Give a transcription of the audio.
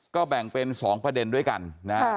ก็แบ่งเป็น๒ประเด็นด้วยกันนะ